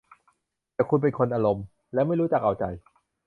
แต่คุณเป็นคนอารมณ์ และไม่รู้จักเอาใจ